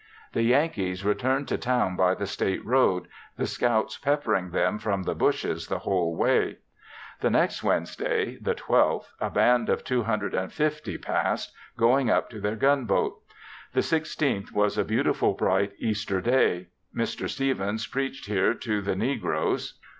The Yankees returned to town by the State Road, the scouts peppering them from the bushes the whole way. The next Wednesday (the 12th) a band of two hundred and fifty passed, going up to their gun boat. The 16th was a beautiful bright Easter day. Mr. Stevens preached here to the negroes.